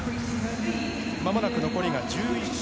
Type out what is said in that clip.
まもなく残りは１１周。